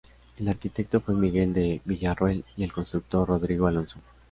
El arquitecto fue Miguel de Villarroel y el constructor Rodrigo Alonso.